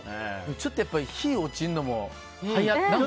ちょっと日が落ちるのも早い。